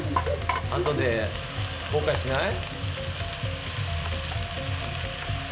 後で後悔しない？